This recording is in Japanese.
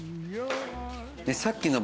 さっきの。